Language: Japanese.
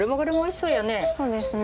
そうですね。